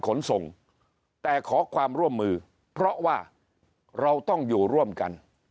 ขนส่งแต่ขอความร่วมมือเพราะว่าเราต้องอยู่ร่วมกัน